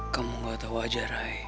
kamu gak tau aja ray